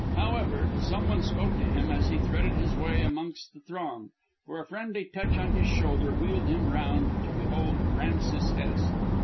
However, someone spoke to him as he threaded his way amongst the throng, for a friendly touch on his shoulder wheeled him round, to behold Francis Hest.